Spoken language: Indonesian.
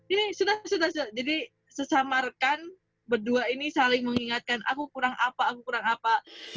ini sudah sudah jadi sesama rekan berdua ini saling mengingatkan aku kurang apa aku kurang apa